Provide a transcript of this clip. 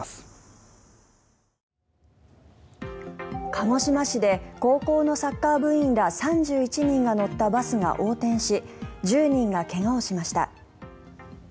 鹿児島市で高校のサッカー部員ら３１人が乗ったバスが横転し１０人が怪我をしました。